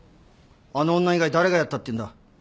あの女以外誰がやったっていうんだ？